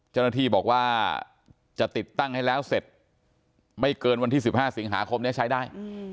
เจ้าหน้าที่บอกว่าจะติดตั้งให้แล้วเสร็จไม่เกินวันที่๑๕สิงหาคมนี้ใช้ได้